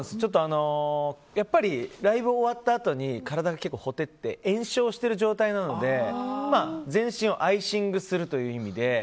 やっぱりライブ終わったあとに体が結構ほてって炎症している状態なので全身をアイシングするという意味で。